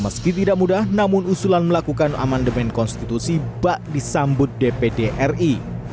meski tidak mudah namun usulan melakukan amandemen konstitusi bak disambut dpd ri